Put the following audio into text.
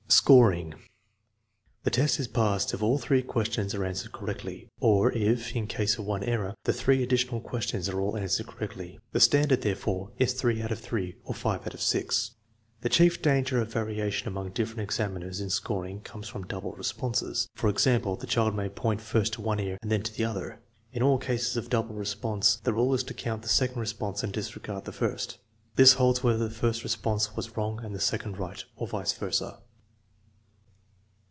Scoring. The test is passed if aUjjiree questions are an swered correctly, or if, in case of one error, the three addi tional questions are all answered correctly. The standard, therefore, is three out of three 9 or five out of six. The chief danger of variation among different examiners in scoring comes from double responses. For example, the child may point first to one ear and then to the other. In all cases of double response, the rule is to count the sgconc^response and disregard the first. This holds whether the first response was wrong and the second right, or vice versa.